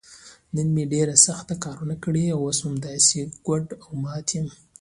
نن مې ډېر سخت کارونه کړي، اوس همداسې ګوډ او مات یم.